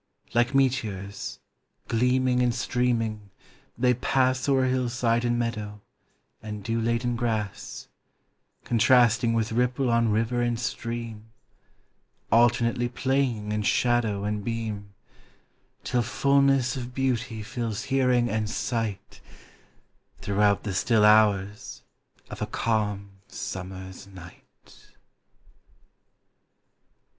Like meteors, gleaming and streaming, they pass O'er hillside and meadow, and dew laden grass, Contrasting with ripple on river and stream, Alternately playing in shadow and beam, Till fullness of beauty fills hearing and sight Throughout the still hours of a calm summer's night.